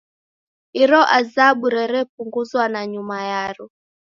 Iro azabu rerepunguzwa nanyuma yaro.